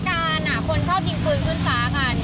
การคนชอบยิงปืนขึ้นฟ้ากัน